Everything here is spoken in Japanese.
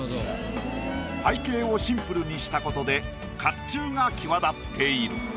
背景をシンプルにしたことで甲冑が際立っている。